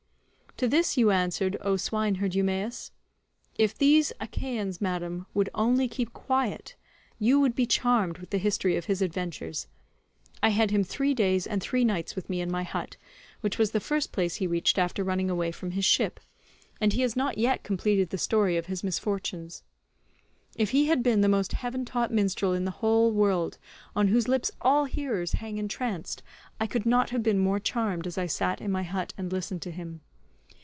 To this you answered, O swineherd Eumaeus, "If these Achaeans, Madam, would only keep quiet, you would be charmed with the history of his adventures. I had him three days and three nights with me in my hut, which was the first place he reached after running away from his ship, and he has not yet completed the story of his misfortunes. If he had been the most heaven taught minstrel in the whole world, on whose lips all hearers hang entranced, I could not have been more charmed as I sat in my hut and listened to him.